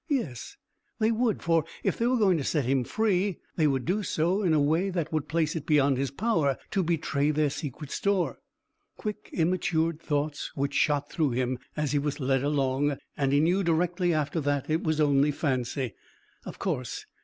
Yes, they would, for, if they were going to set him free, they would do so in a way that would place it beyond his power to betray their secret store. Quick immatured thoughts which shot through him as he was led along, and he knew directly after that it was only fancy. Of course.